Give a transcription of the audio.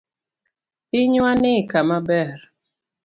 Pinywani kama ber.